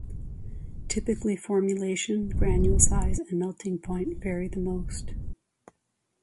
Typically formulation, granule size and melting point vary the most.